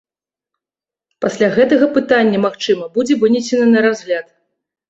Пасля гэтага пытанне, магчыма, будзе вынесены на разгляд.